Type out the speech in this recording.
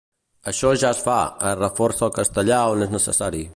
Això ja es fa: es reforça el castellà on és necessari.